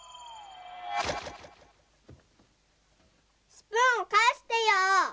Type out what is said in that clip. スプーンをかえしてよ！